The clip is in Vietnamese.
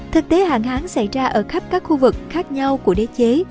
thực tế hạn hán xảy ra ở khắp các khu vực khác nhau của đế chế